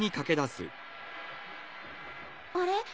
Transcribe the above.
あれ？